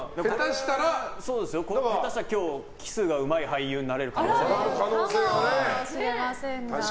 下手したら今日キスがうまい俳優になれる可能性もありますよね。